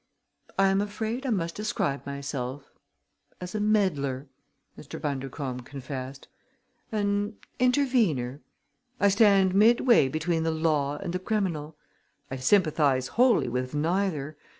"I am afraid I must describe myself as a meddler," Mr. Bundercombe confessed; "an intervener. I stand midway between the law and the criminal. I sympathize wholly with neither.